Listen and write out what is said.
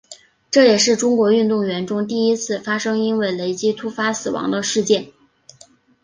这也是中国运动员中第一次发生因为雷击突然死亡的事件。